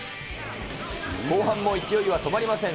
後半も勢いは止まりません。